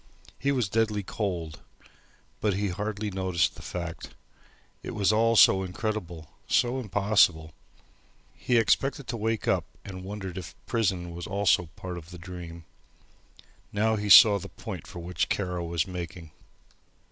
He was deadly cold, but had hardly noticed the fact. It was all so incredible, so impossible. He expected to wake up and wondered if the prison was also part of the dream. Now he saw the point for which Kara was making.